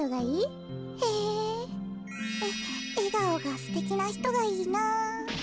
えがおがすてきなひとがいいな。